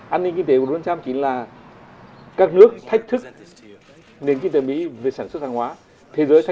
an ninh kinh tế của donald trump chính là các nước thách thức nền kinh tế mỹ về sản xuất hàng hóa